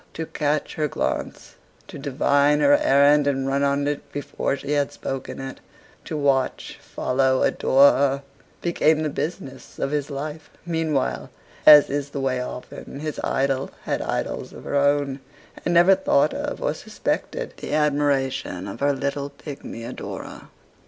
To catch her glance, to divine her errand and run on it before she had spoken it; to watch, follow, adore her; became the business of his life. Meanwhile, as is the way often, his idol had idols of her own, and never thought of or suspected the admiration of her little pigmy adorer.